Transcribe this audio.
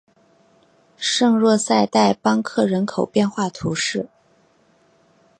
圣若塞代邦克人口变化图示